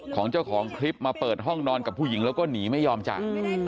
ของเจ้าของคลิปมาเปิดห้องนอนกับผู้หญิงแล้วก็หนีไม่ยอมจาก